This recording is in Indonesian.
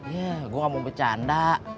ya gue gak mau bercanda